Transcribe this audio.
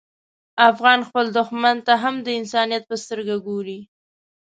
افغان خپل دښمن ته هم د انسانیت په سترګه ګوري.